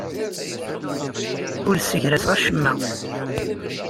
Ur ssegraseɣ acemma.